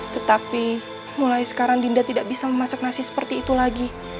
tetapi mulai sekarang dinda tidak bisa memasak nasi seperti itu lagi